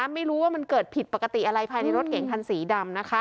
ไม่รู้ว่ามันเกิดผิดปกติอะไรภายในรถเก่งคันสีดำ